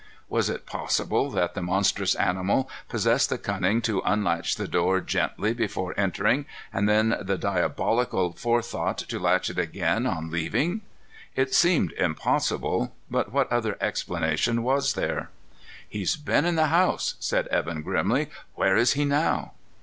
Was it possible that the monstrous animal possessed the cunning to unlatch the door gently before entering, and then the diabolical forethought to latch it again on leaving? It seemed impossible, but what other explanation was there? "He's been in the house," said Evan grimly. "Where is he now?"